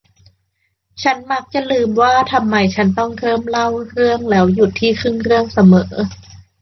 ฉันมักจะลืมว่าทำไมฉันต้องเริ่มเล่าเรื่องแล้วหยุดที่ครึ่งเรื่องเสมอ